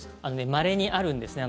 まれにあるんですね